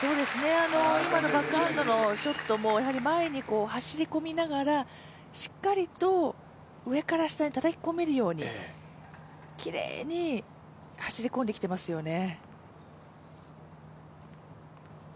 今のバックハンドのショットも、やはり前に走り込みながらしっかりと上から下にたたき込めるようにきれいに走り込んできていますよね。